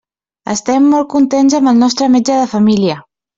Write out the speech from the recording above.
Estem molt contents amb el nostre metge de família.